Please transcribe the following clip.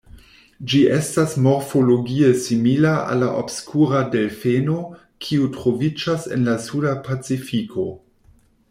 Ĝi estas morfologie simila al la obskura delfeno, kiu troviĝas en la Suda Pacifiko.